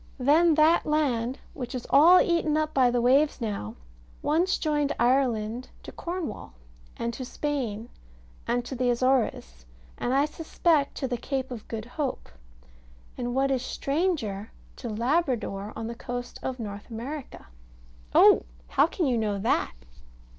Then that land, which is all eaten up by the waves now, once joined Ireland to Cornwall, and to Spain, and to the Azores, and I suspect to the Cape of Good Hope, and what is stranger, to Labrador, on the coast of North America. Oh! How can you know that?